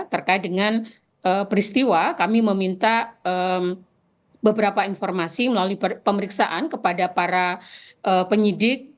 terkait dengan peristiwa kami meminta beberapa informasi melalui pemeriksaan kepada para penyidik